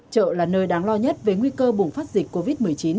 chợ là nơi đáng lo nhất về nguy cơ bùng phát dịch covid một mươi chín